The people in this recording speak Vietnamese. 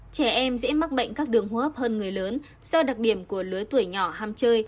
trẻ em dễ mắc bệnh các đường hô hấp hơn người lớn do đặc điểm của lứa tuổi nhỏ ham chơi